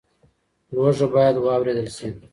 لوږه باید واورېدل شي.